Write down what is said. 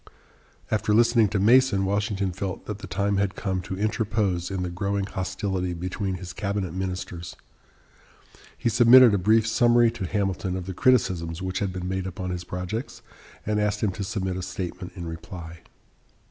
After listening to Mason, Washington felt that the time had come to interpose in the growing hostility between his cabinet ministers. He submitted a brief summary to Hamilton of the criticisms which had been made upon his projects and asked him to submit a statement in reply.